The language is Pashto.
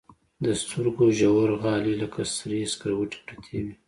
د سترګو ژورغالي لكه سرې سكروټې پرتې وي.